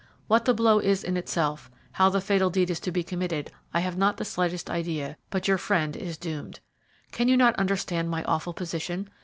What the blow is in itself, how the fatal deed is to be committed, I have not the slightest idea; but your friend is doomed. Can you not understand my awful position?